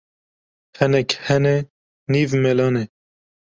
Hinek hene nîv mela ne